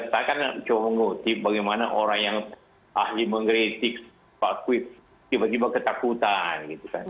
saya juga mencoba mengerti bagaimana orang yang mengkritik pak kwis tiba tiba ketakutan